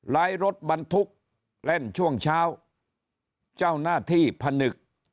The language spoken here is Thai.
ร้ายรถบรรทุกแล่นช่วงเช้าเจ้าหน้าที่พนึก